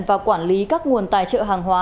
và quản lý các nguồn tài trợ hàng hóa